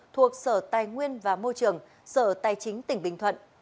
thuộc sở tài nguyên và môi trường sở tài chính tỉnh bình thuận